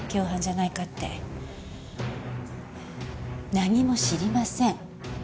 何も知りません。